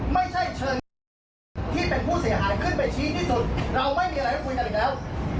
ไม่ใช่เชิญคนที่เป็นผู้เสียหายขึ้นไปชี้ที่สุดเราไม่มีอะไรให้คุยกันอีกแล้ว